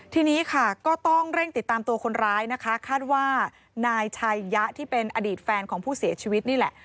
ทีนี้ค่ะก็ต้องเร่งติดตามตัวคนร้ายนะคะคาดว่านายชัยยะที่เป็นอดีตแฟนของผู้เสียชีวิตนี่แหละ